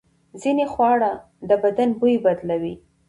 ځینې خواړه د بدن بوی بدلوي.